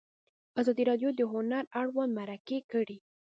ازادي راډیو د هنر اړوند مرکې کړي.